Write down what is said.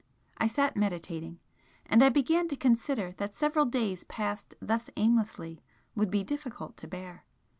I sat meditating, and I began to consider that several days passed thus aimlessly would be difficult to bear.